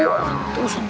tuh usut usut banget